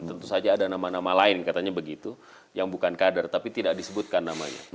tentu saja ada nama nama lain katanya begitu yang bukan kader tapi tidak disebutkan namanya